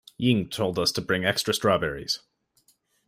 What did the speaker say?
Ying told us to bring extra strawberries.